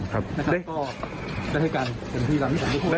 ครับได้ได้ให้รายละเอียดเลยไม่ครับเราครับ